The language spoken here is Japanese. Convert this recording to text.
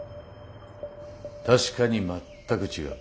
確かに全く違う。